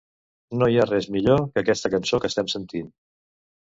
No hi ha res millor que aquesta cançó que estem sentint.